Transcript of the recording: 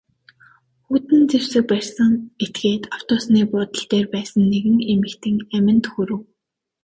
Хүйтэн зэвсэг барьсан этгээд автобусны буудал дээр байсан нэгэн эмэгтэйн аминд хүрэв.